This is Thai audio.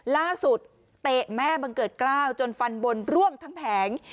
เตะแม่บังเกิดกล้าวจนฟันบนร่วงทั้งแผง